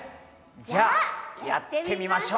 じゃあやってみましょう！